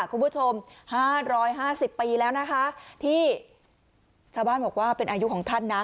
คุณผู้ชม๕๕๐ปีแล้วนะคะที่ชาวบ้านบอกว่าเป็นอายุของท่านนะ